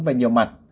về nhiều mặt